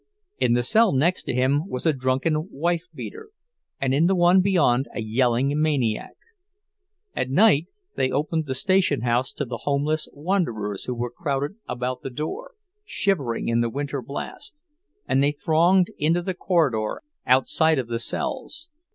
In the cell next to him was a drunken wife beater and in the one beyond a yelling maniac. At midnight they opened the station house to the homeless wanderers who were crowded about the door, shivering in the winter blast, and they thronged into the corridor outside of the cells.